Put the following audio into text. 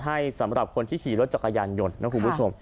ให้ที่ขยีรถจักรยานยนต์